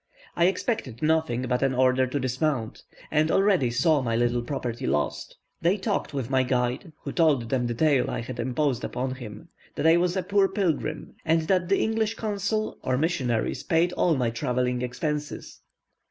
I expected nothing but an order to dismount, and already saw my little property lost. They talked with my guide, who told them the tale which I had imposed upon him that I was a poor pilgrim, and that the English consuls or missionaries paid all my travelling expenses.